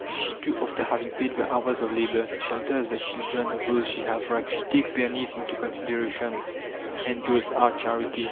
She, too, after having paid the hours of labour, shelters the children of those she has wrecked. She takes their needs into consideration and doles out charity.